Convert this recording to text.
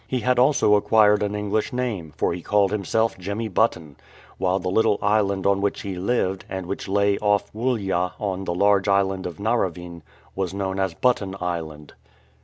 He had also acquired an English uLme, for he called himself Jemmy Button ; while the little island on which he lived, and which lay off Woollya in the large island of Navarin, was known as Button Island.